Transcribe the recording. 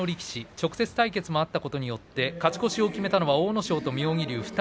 直接対決もあったことによって勝ち越しを決めたのは阿武咲と妙義龍２人。